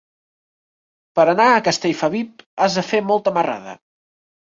Per anar a Castellfabib has de fer molta marrada.